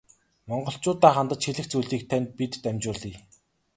Монголчууддаа хандаж хэлэх зүйлийг тань бид дамжуулъя.